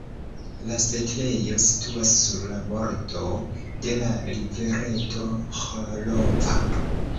La setlejo situas sur la bordo de la rivereto "Ĥolova".